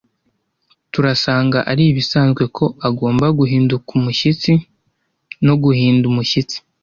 turasanga ari ibisanzwe ko agomba guhinduka umushyitsi no guhinda umushyitsi